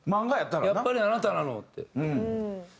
「やっぱりあなたなの」って。